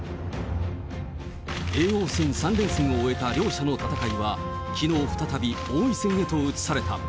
叡王戦３連戦を終えた両者の戦いは、きのう再び、王位戦へと移された。